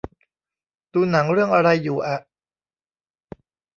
ดูหนังเรื่องอะไรอยู่อะ